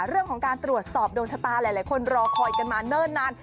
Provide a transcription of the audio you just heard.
เรื่องของการตรวจสอบดวงชะตาหลายคนรอคอยกันมาเนิ่นนาน